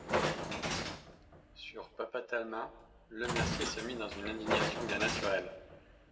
Sur papa Talma, Lemercier se mit dans une indignation bien naturelle.